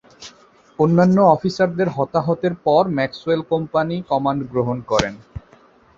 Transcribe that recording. অন্যান্য অফিসারদের হতাহতের পর ম্যাক্সওয়েল কোম্পানি কমান্ড গ্রহণ করেন।